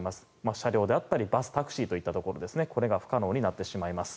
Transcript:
車両であったりバス、タクシーといったところこれが不可能になってしまいます。